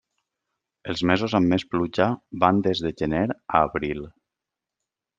Els mesos amb més pluja van des de gener a abril.